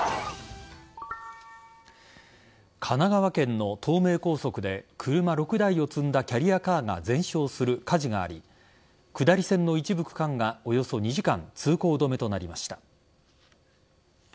神奈川県の東名高速で車６台を積んだキャリアカーが全焼する火事があり下り線の一部区間がおよそ２時間通行止めとなりました。